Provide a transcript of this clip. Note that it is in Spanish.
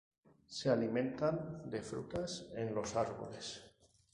Se alimentan de frutas en los árboles.